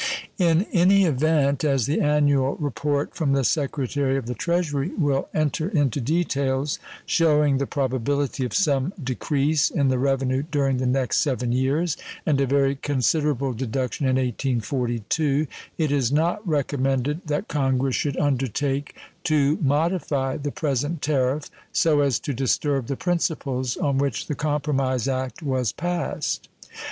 In any event, as the annual report from the Secretary of the Treasury will enter into details, shewing the probability of some decrease in the revenue during the next seven years and a very considerable deduction in 1842, it is not recommended that Congress should undertake to modify the present tariff so as to disturb the principles on which the compromise act was passed.